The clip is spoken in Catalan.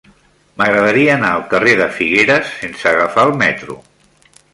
M'agradaria anar al carrer de Figueres sense agafar el metro.